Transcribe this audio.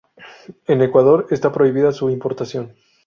En Ecuador esta prohibida su importación.